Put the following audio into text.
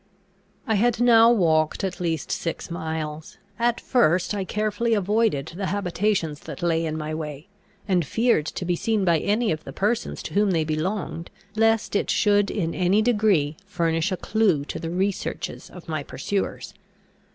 I had now walked at least six miles. At first I carefully avoided the habitations that lay in my way, and feared to be seen by any of the persons to whom they belonged, lest it should in any degree furnish a clue to the researches of my pursuers.